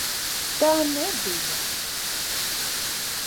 Tā nebija!